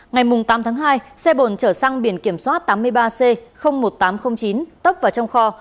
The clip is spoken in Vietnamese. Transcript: ngày tám tháng hai xe bồn chở xăng biển kiểm soát tám mươi ba c một nghìn tám trăm linh chín tấp vào trong kho